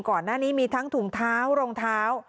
ก่อนหน้านี้มีทั้งถุงเท้ารองเท้า